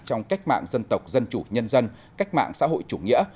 trong cách mạng dân tộc dân chủ nhân dân cách mạng xã hội chủ nghĩa